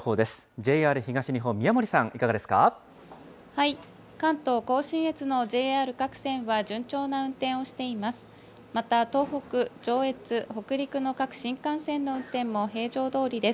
ＪＲ東日本、宮森さん、いかがで関東甲信越のＪＲ各線は、順調な運転をしています。